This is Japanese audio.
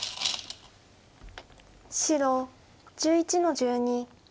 白１１の十二。